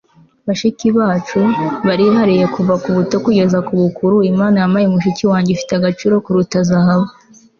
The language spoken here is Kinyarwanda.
bashiki bacu barihariye. kuva ku bato kugeza ku bakuru. imana yampaye mushiki wanjye. ifite agaciro kuruta zahabu